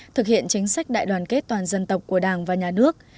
thực hiện chính sách đại đoàn kết toàn dân tộc của đảng và nhà nước